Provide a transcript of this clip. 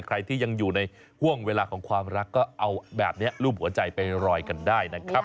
ใครที่ยังอยู่ในห่วงเวลาของความรักก็เอาแบบนี้รูปหัวใจไปรอยกันได้นะครับ